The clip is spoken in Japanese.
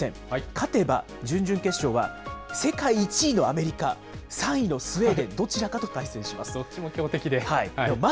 勝てば準々決勝は世界１位のアメリカ、３位のスウェーデン、どっちも強敵で。